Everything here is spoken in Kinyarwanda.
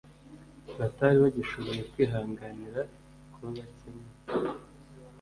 batari bagishoboye kwihanganira kuba bake mu